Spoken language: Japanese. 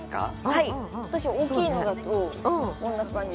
はい私大きいのだとあっこんな感じ？